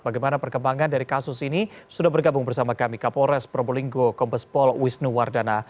bagaimana perkembangan dari kasus ini sudah bergabung bersama kami kapolres probolinggo kombespol wisnu wardana